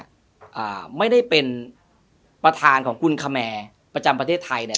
อ่าไม่ได้เป็นประธานของกุลคแมร์ประจำประเทศไทยเนี่ย